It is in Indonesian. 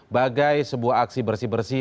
bagai sebuah aksi bersih bersih